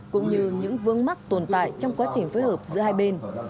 cũng như những vương mắc tồn tại trong quá trình phối hợp giữa hai bên